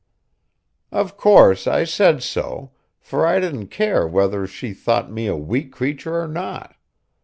Of course I said so, for I didn't care whether she thought me a weak creature or not.